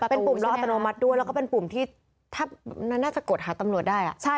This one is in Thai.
เป็นปุ่มล็อกอัตโนมัติด้วยแล้วก็เป็นปุ่มที่ถ้าน่าจะกดหาตำรวจได้